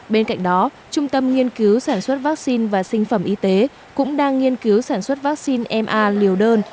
bên cạnh đó trung tâm nghiên cứu sản xuất vaccine và sinh phẩm y tế cũng đang nghiên cứu sản xuất vaccine liều đơn